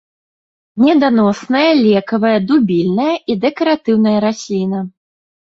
Меданосная, лекавая, дубільная і дэкаратыўная расліна.